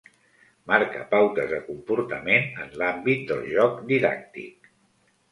Marca pautes de comportament en l'àmbit del joc didàctic.